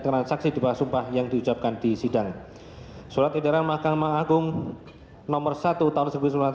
transaksi di bahas sumpah yang diucapkan di sidang surat edaran magang maagung nomor satu tahun seribu sembilan ratus dua puluh lima